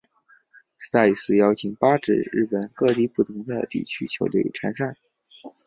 赛事邀请八支日本各地不同地区球队参赛。